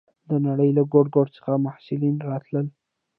د نړۍ له ګوټ ګوټ څخه محصلین راتلل.